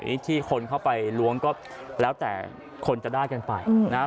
ที่คนเข้าไปล้วงก็แล้วแต่คนจะได้กันไปนะฮะ